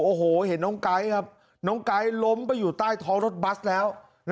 โอ้โหเห็นน้องไก๊ครับน้องไก๊ล้มไปอยู่ใต้ท้องรถบัสแล้ว